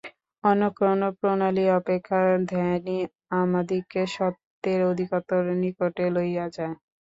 অন্য কোন প্রণালী অপেক্ষা ধ্যানই আমাদিগকে সত্যের অধিকতর নিকটে লইয়া যায়।